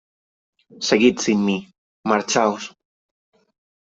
Seguid sin mí . Marchaos .